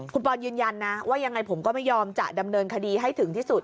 คุณปอนยืนยันนะว่ายังไงผมก็ไม่ยอมจะดำเนินคดีให้ถึงที่สุด